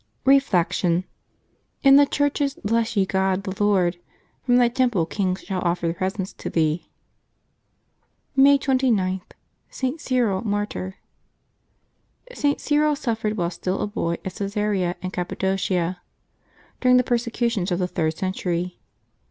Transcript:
Reflection. — ^^In the churches bless ye God the Lord. From Thy temple kings shall offer presents to Thee." May 29.— ST. CYRIL, Martyr. |t. Cyril suffered while still a boy at C^sarea in Cap padocia, during the persecutions of the third century.